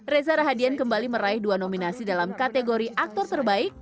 reza rahadian kembali meraih dua nominasi dalam kategori aktor terbaik